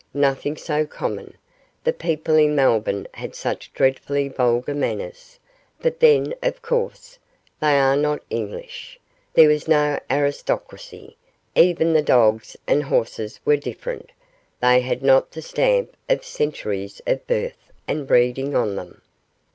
nothing so common the people in Melbourne had such dreadfully vulgar manners; but then, of course, they are not English; there was no aristocracy; even the dogs and horses were different; they had not the stamp of centuries of birth and breeding on them.